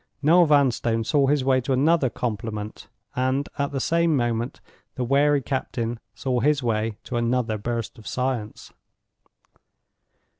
Noel Vanstone saw his way to another compliment; and, at the same moment, the wary captain saw his way to another burst of science.